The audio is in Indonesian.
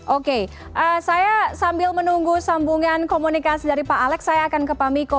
oke saya sambil menunggu sambungan komunikasi dari pak alex saya akan ke pak miko